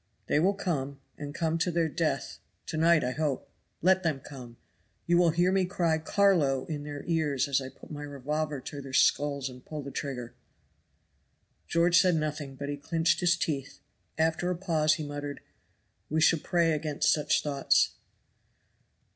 They will come and come to their death; to night, I hope. Let them come! you will hear me cry 'Carlo' in their ears as I put my revolver to their skulls and pull the trigger." George said nothing, but he clinched his teeth. After a pause he muttered, "We should pray against such thoughts."